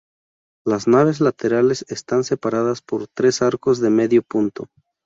Las naves laterales están separadas por tres arcos de medio punto.